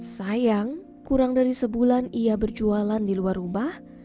sayang kurang dari sebulan ia berjualan di luar rumah